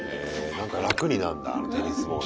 何か楽になるんだテニスボールで。